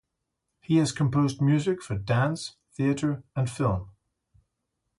He has composed music for dance, theater, and film.